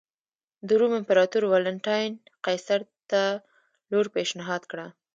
د روم امپراتور والنټیناین قیصر ته لور پېشنهاد کړه.